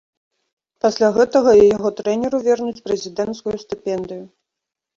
Пасля гэтага і яго трэнеру вернуць прэзідэнцкую стыпендыю.